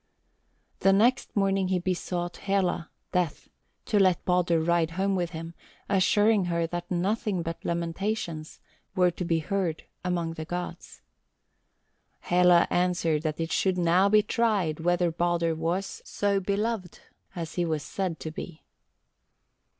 The next morning he besought Hela (Death) to let Baldur ride home with him, assuring her that nothing but lamentations were to be heard among the gods. Hela answered that it should now be tried whether Baldur was so beloved as he was said to be.